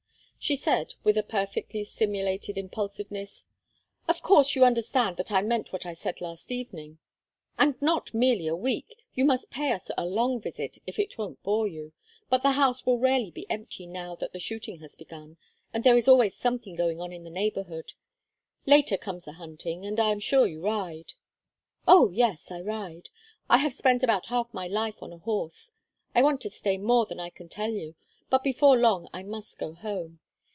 She said, with a perfectly simulated impulsiveness: "Of course you understand that I meant what I said last evening. And not merely a week; you must pay us a long visit, if it won't bore you. But the house will rarely be empty now that the shooting has begun, and there is always something going on in the neighborhood. Later comes the hunting, and I am sure you ride." "Oh yes, I ride! I have spent about half my life on a horse. I want to stay more than I can tell you, but before long I must go home.